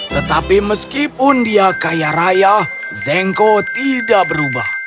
tetapi meskipun dia kaya raya zengko tidak berubah